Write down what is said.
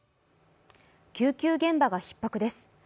救急現場がひっ迫です。